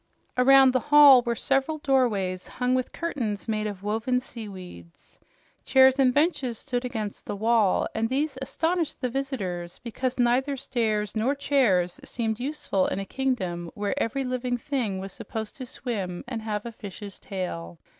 Around the hall were several doorways hung with curtains made of woven seaweeds. Chairs and benches stood against the wall, and these astonished the visitors because neither stairs nor chairs seemed useful in a kingdom where every living thing was supposed to swim and have a fish's tail.